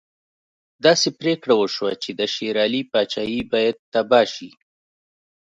داسې پرېکړه وشوه چې د شېر علي پاچهي باید تباه شي.